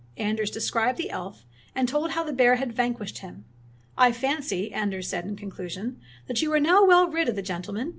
Anders described the elf, and told how the bear had vanquished him. "I fancy," Anders said in conclusion, ''that you are now well rid of the gentleman.